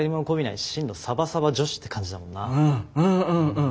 うん。